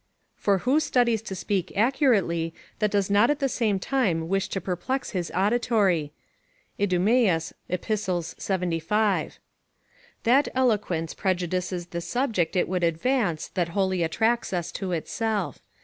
["For who studies to speak accurately, that does not at the same time wish to perplex his auditory?" Idem, Ep., 75.] That eloquence prejudices the subject it would advance, that wholly attracts us to itself.